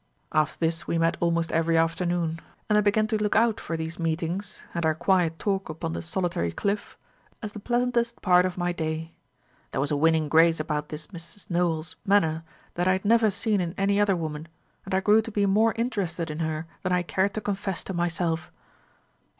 "After this we met almost every afternoon; and I began to look out for these meetings, and our quiet talk upon the solitary cliff, as the pleasantest part of my day. There was a winning grace about this Mrs. Nowell's manner that I had never seen in any other woman; and I grew to be more interested in her than I cared to confess to myself.